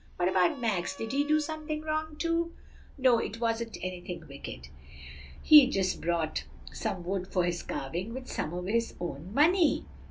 "What about Max? did he do something wrong, too?" "No; it wasn't anything wicked; he just bought some wood for his carving with some of his own money."